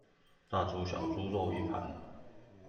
大豬小豬肉一盤